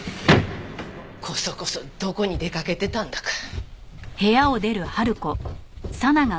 こそこそどこに出かけてたんだか。